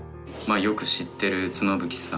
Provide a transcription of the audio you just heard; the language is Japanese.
よく知ってる妻夫木さん